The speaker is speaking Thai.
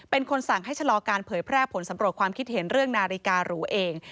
เป็นคนสั่งให้ชะลอการเผยแพร่ผลสำรวจความคิดเห็นเรื่องนาฬิการูเอง